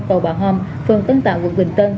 cầu bảo hòm phường tân tạo quận bình tân